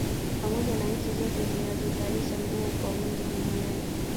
Pamoja na nchi zote zinazozalisha nguo kwa wingi Duniani